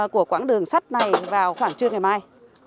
của quãng đường sắt này vào khoảng trưa ngày mai